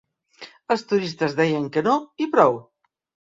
Els turistes deien que no i prou.